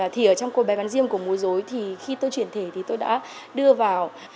thì ở trong cô bé bán riêng của mùa dối thì khi tôi chuyển thể thì tôi đã đưa vào